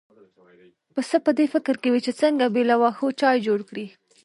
پسه په دې فکر کې و چې څنګه بې له واښو چای جوړ کړي.